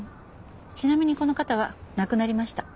ちなみにこの方は亡くなりました。